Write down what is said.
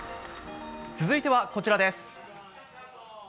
続いてはこちらです。